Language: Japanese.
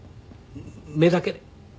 目だけで。